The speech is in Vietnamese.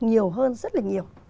nhiều hơn rất là nhiều